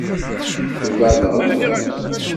Tuggadeḍ?